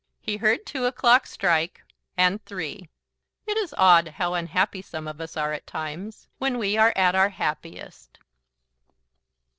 He heard two o'clock strike, and three. It is odd how unhappy some of us are at times, when we are at our happiest.